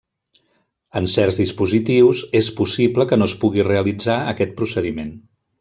En certs dispositius, és possible que no es pugui realitzar aquest procediment.